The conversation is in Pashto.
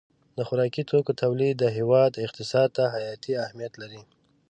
د خوراکي توکو تولید د هېواد اقتصاد ته حیاتي اهمیت لري.